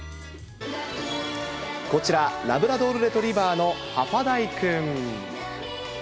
こちら、ラブラドールレトリバーのハファダイくん。